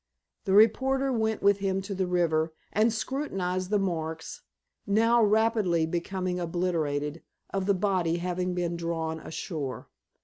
The reporter went with him to the river, and scrutinized the marks, now rapidly becoming obliterated, of the body having been drawn ashore.